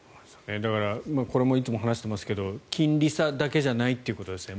だからこれもいつも話していますが金利差だけじゃないということですね。